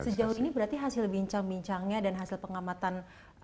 sejauh ini berarti hasil bincang bincangnya dan hasil pengamatan